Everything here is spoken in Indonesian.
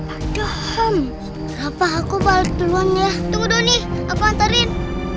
ada ham apa aku balik duluan ya tunggu nih aku anterin